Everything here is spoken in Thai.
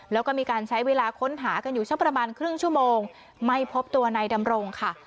แล้วก็มีการใช้เวลาค้นหากันอยู่สักประมาณครึ่งชั่วโมงไม่พบตัวนายดำรงค่ะ